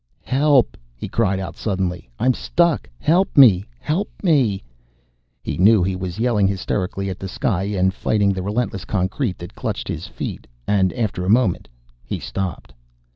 "Help!" he cried out suddenly. "I'm stuck! Help me, help me!" He knew he was yelling hysterically at the sky and fighting the relentless concrete that clutched his feet, and after a moment he stopped.